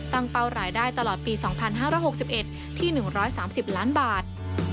เป้ารายได้ตลอดปี๒๕๖๑ที่๑๓๐ล้านบาท